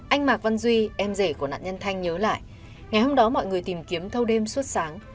anh mạc văn duy em rể của nạn nhân thanh nhớ lại ngày hôm đó mọi người tìm kiếm thâu đêm suốt sáng